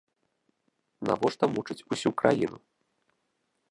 Навошта мучыць усю краіну?